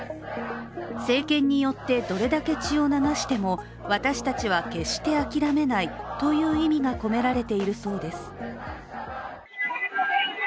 政権によってどれだけ血を流しても私たちは決して諦めないという意味が込められているそうです。